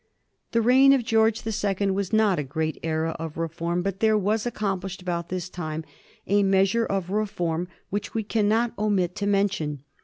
The reign of George the Second was not a great era of reform ; but there was accomplished about this time a measure of reform which we cannot omit to mention.